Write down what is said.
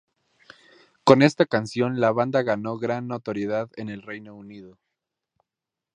Con esta canción la banda ganó gran notoriedad en el Reino Unido.